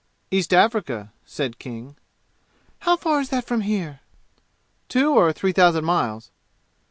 "East Africa," said King. "How far is that from here?" "Two or three thousand miles."